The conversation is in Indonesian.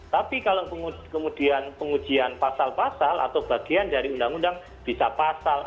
tapi kalau kemudian pengujian pasal pasal atau bagian dari undang undang bisa pasal